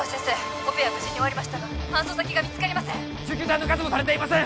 オペは無事に終わりましたが搬送先が見つかりません